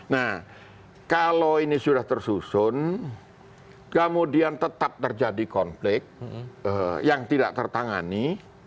nah kalau ini sudah tersusun kemudian tetap terjadi konflik yang tidak tertangani